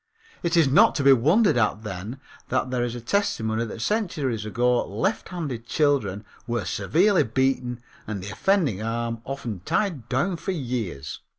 It is not to be wondered at then that there is testimony that centuries ago lefthanded children were severely beaten and the offending arm often tied down for years.